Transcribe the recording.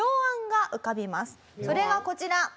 それがこちら。